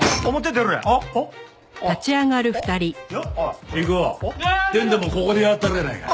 出んでもここでやったろやないかい。